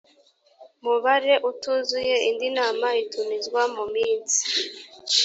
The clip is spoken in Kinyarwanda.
mubare utuzuye indi inama itumizwa mu minsi